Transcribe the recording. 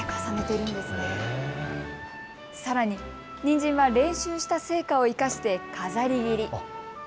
さらににんじんは練習した成果を生かして飾り切り。